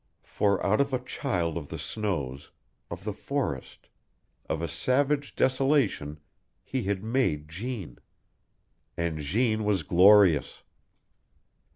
For out of a child of the snows, of the forest, of a savage desolation, he had made Jeanne. And Jeanne was glorious!